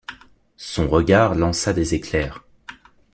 Son regard lança des éclairs